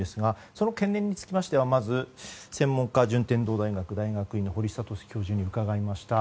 その懸念につきましては専門家順天堂大学大学院の堀賢教授に伺いました。